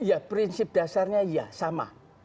ya prinsip dasarnya ya sama